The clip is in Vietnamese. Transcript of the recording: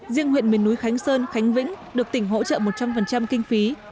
riêng huyện miền núi khánh sơn khánh vĩnh được tỉnh hỗ trợ một trăm linh kinh phí